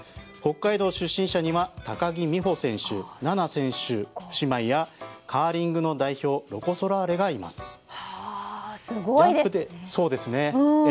北海道出身者には高木美帆選手、菜那選手姉妹やカーリングの代表ロコ・ソラーレがいます。